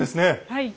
はい。